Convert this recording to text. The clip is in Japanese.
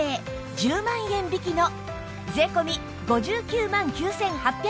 １０万円引きの税込５９万９８００円